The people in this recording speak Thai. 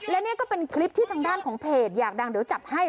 และนี่ก็เป็นคลิปที่ทางด้านของเพจอยากดังเดี๋ยวจัดให้